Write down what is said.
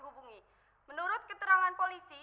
jangan memiliki cabang